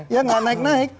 ya gak naik naik